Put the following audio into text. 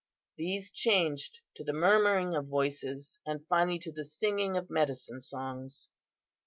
These changed to the murmuring of voices, and finally to the singing of medicine songs.